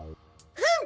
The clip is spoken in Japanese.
フン！